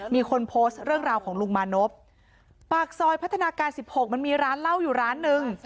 มีคนโพสต์เรื่องราวของลุงมานพปากซอยพัฒนาการ๑๖มันมีร้านเหล้าอยู่ร้านนึง